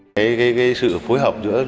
cái sự phối hợp giữa du lịch sớm trở lại hoạt động